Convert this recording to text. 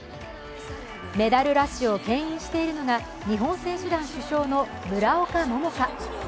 メダルラッシュをけん引しているのが日本選手団主将の村岡桃佳。